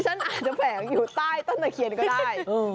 ฉันอาจจะแฝงอยู่ใต้ต้นตะเคียนก็ได้